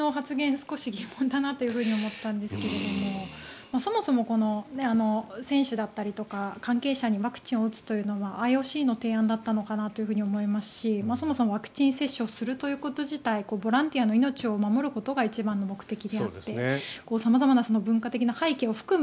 少し疑問だなというふうに思ったんですけれどもそもそも選手だったりとか関係者にワクチンを打つというのはＩＯＣの提案だったのかなと思いますしそもそもワクチン接種をするということ自体ボランティアの命を守ることが一番の目的であって様々な文化的な背景を含む